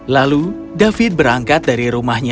lalu david berangkat dari rumahnya